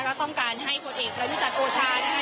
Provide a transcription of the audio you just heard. ก็ต้องการให้ตัวเอกรับวิจัตรโอชานะคะ